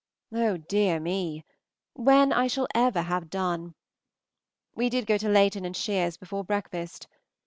Oh, dear me! when I shall ever have done. We did go to Layton and Shear's before breakfast.